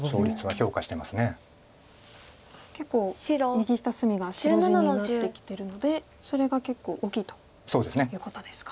右下隅が白地になってきてるのでそれが結構大きいということですか。